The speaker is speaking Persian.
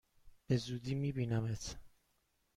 به زودی می بینمت!